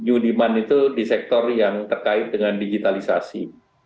new demand itu di sektor yang terkait dengan digitalisasi